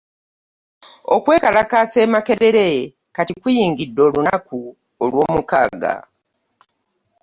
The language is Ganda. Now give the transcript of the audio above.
Okwekalakaasa e Makerere kati kuyingidde olunaku olw'omukaaga